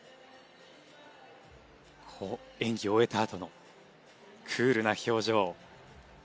こう演技を終えたあとのクールな表情。